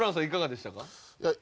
いかがでしたか？